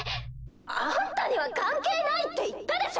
あんたには関係ないって言ったでしょ！